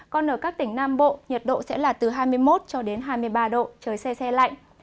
còn ở các tỉnh nam bộ nhiệt độ sẽ là từ hai mươi một cho đến hai mươi ba độ trời xe xe lạnh